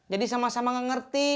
jadi sama sama ngerti